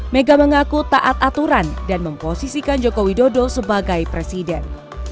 mega mengaku taat aturan dan memposisikan joko widodo sebagai presiden